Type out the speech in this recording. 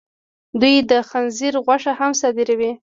دوی د خنزیر غوښه هم صادروي.